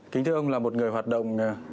kính thưa ông là một người hoạt động